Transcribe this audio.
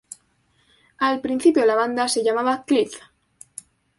Al principio la banda se llamaba "Cliff".